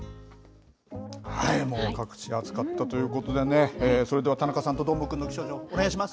もう各地で暑かったということでね、それでは田中さんとどーもくんの気象情報、お願いします。